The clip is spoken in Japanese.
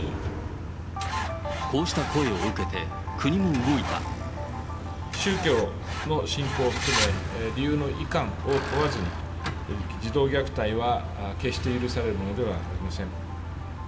こうした声を受けて、宗教の信仰を含め、理由のいかんを問わずに、児童虐待は決して許されるものではありません。